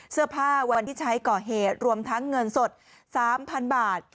เสื้อผ้าวันที่ใช้ก่อเหตุรวมทั้งเงินสด๓๐๐๐บาท